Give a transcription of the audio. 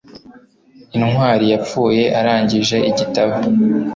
Intwari yapfuye arangije igitabo.